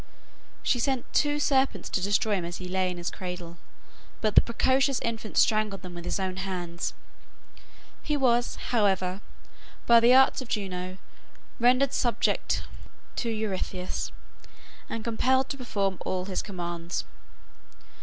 She sent two serpents to destroy him as he lay in his cradle, but the precocious infant strangled them with his own hands. He was, however, by the arts of Juno rendered subject to Eurystheus and compelled to perform all his commands.